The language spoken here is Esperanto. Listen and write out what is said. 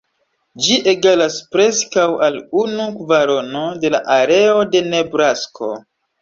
Ĝi egalas preskaŭ al unu kvarono de la areo de Nebrasko.